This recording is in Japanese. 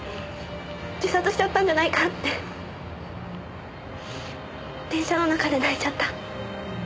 自殺しちゃったんじゃないかって電車の中で泣いちゃった。